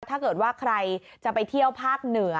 ถ้าเกิดว่าใครจะไปเที่ยวภาคเหนือ